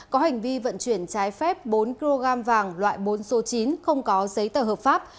có hành vi vận chuyển trái phép bốn kg vàng loại bốn số chín không có giấy tờ hợp pháp